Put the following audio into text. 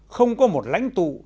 không có một lãnh tụ